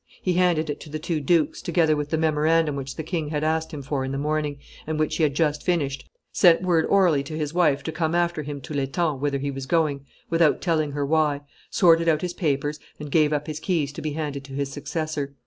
He handed it to the two dukes, together with the memorandum which the king had asked him for in the morning, and which he had just finished, sent word orally to his wife to come after him to L'Etang, whither he was going, without telling her why, sorted out his papers, and gave up his keys to be handed to his successor.